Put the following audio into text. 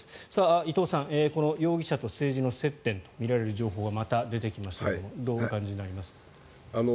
伊藤さんこの容疑者と政治との接点がまた出てきましたがどうお感じになりますか。